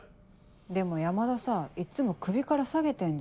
でも山田さいつも首から下げてんじゃん。